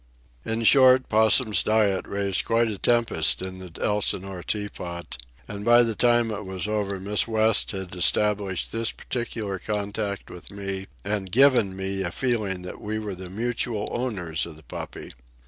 In short, Possum's diet raised quite a tempest in the Elsinore teapot, and by the time it was over Miss West had established this particular contact with me and given me a feeling that we were the mutual owners of the puppy.